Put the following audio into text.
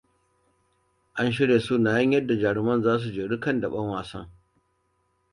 An shirya sunayen yadda jaruman za su jeru kan daɓen wasan.